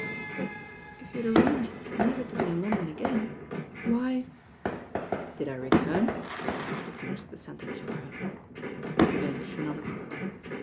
"But if you had arranged never to be in London again, why ?" "Did I return?" he finished the sentence for her. Again she nodded.